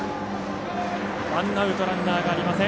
ワンアウトランナーがありません。